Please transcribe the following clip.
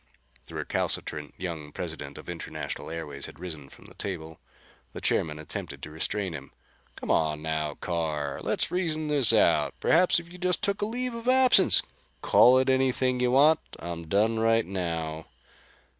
The recalcitrant young President of International Airways had risen from the table. The chairman attempted to restrain him. "Come on now, Carr, let's reason this out. Perhaps if you just took a leave of absence " "Call it anything you want. I'm done right now."